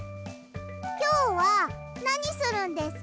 きょうはなにするんですか？